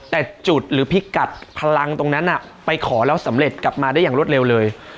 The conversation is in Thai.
แต่จุดหรือพิกัดพลังตรงนั้นไปขอแล้วสำเร็จกลับมาได้อย่างรวดเร็วเลย